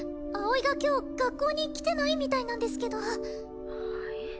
葵が今日学校に来てないみたいなんですけど☎はい？